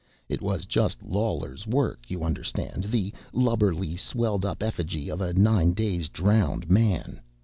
It was just Lawler's work, you understand the lubberly, swelled up effigy of a nine days drowned man!